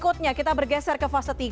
berikutnya kita bergeser ke fase tiga